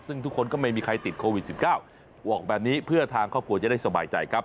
ซึ่งทุกคนก็ไม่มีใครติดโควิด๑๙บอกแบบนี้เพื่อทางครอบครัวจะได้สบายใจครับ